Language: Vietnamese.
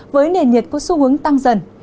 với nền nhiệt có xu hướng tăng dần